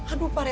aduh pak rete